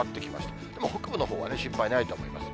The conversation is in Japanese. でも北部のほうは心配ないと思います。